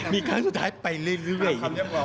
มีครั้งสุดท้ายไปเรื่อย